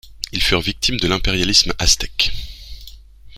Ils furent victimes de l'impérialisme aztèque.